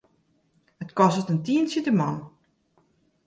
It kostet in tientsje de man.